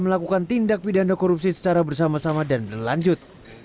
melakukan tindak pidana korupsi secara bersama sama dan berlanjut